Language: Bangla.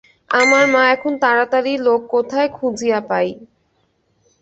আমরা এখন তাড়াতাড়ি লোক কোথায় খুঁজিয়া পাই!